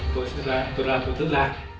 tôi sẽ làm tôi làm tôi tự làm